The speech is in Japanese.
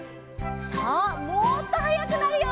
さあもっとはやくなるよ。